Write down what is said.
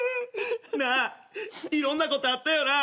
なあいろんなことあったよな。